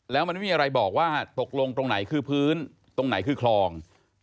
แล้วมันไม่มีอะไรบอกว่าตกลงตรงไหนคือพื้นตรงไหนคือคลอง